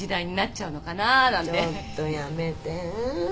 ちょっとやめて。